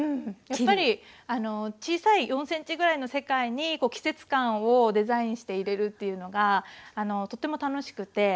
やっぱり小さい４ｃｍぐらいの世界に季節感をデザインして入れるっていうのがとっても楽しくて。